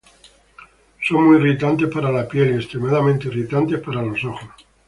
Son muy irritantes para la piel, y extremadamente irritantes para los ojos.